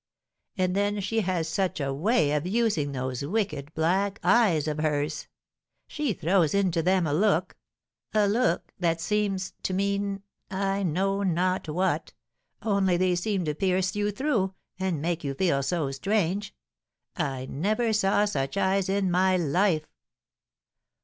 And then she has such a way of using those wicked black eyes of hers! She throws into them a look a look that seems to mean I know not what only they seem to pierce you through, and make you feel so strange; I never saw such eyes in my life!